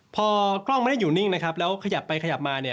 พอกล้องไม่ได้อยู่นิ่งนะครับแล้วขยับไปขยับมาเนี่ย